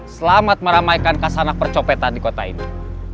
selamat meramaikan kasanah percopetan di kota ini